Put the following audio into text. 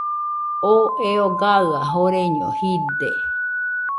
Oo eo gaɨa joreño jide.